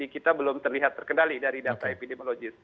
kita belum terlihat terkendali dari data epidemiologis